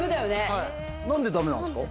はい何でダメなんですか？